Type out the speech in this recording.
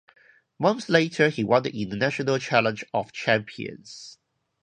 Months later, he won the International Challenge of Champions.